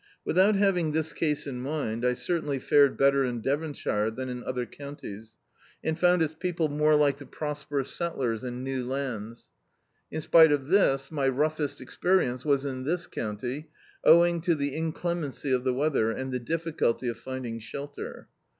Without having this case in, mind, I certainly fared better in Dev(xishire than in other counties, and found its pec^le more like the prosperous set tlers in new lands. In spite of this, my rou^est experience was in this county, owing to the inclem ency of the weather, and the difficulty of finding shelter.